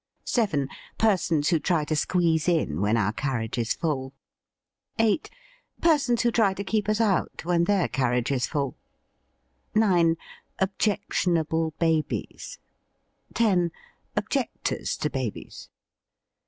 7. Persons who try to squeeze in when our carriage is full. 8. Persons who try to keep us out when their carriage is full. 9. Objectionable babies. 10. Objectors to babies.